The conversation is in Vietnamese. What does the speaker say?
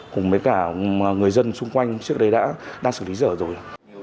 cùng với cả người dân xung quanh trước đây đã xử lý rỡ rồi